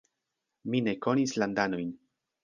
Mi ne konis landanojn.